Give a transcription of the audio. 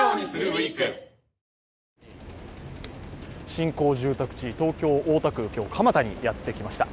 新興住宅地、東京・大田区、今日は蒲田にやってきました。